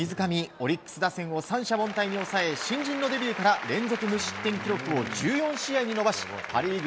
オリックス打線を三者凡退に抑え新人のデビューから連続無失点記録を１４試合に伸ばしパ・リーグ